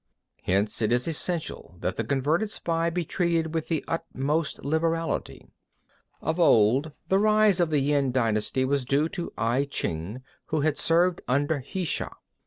Hence it is essential that the converted spy be treated with the utmost liberality. 26. Of old, the rise of the Yin dynasty was due to I Chih who had served under the Hsia.